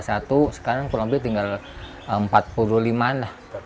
sekarang kurang lebih tinggal empat puluh lima an lah